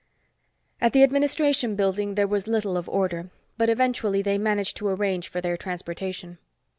At the administration building there was little of order, but eventually they managed to arrange for their transportation.